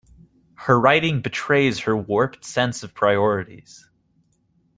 Her writing betrays her warped sense of priorities.